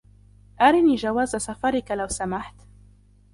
أريني جواز سفرك ، لو سمحت.